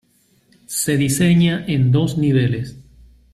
Se diseña en dos niveles.